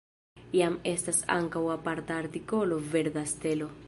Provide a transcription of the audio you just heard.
Jam estas ankaŭ aparta artikolo Verda stelo.